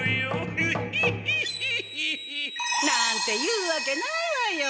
ウッヒッヒッヒッヒ！なんて言うわけないわよ。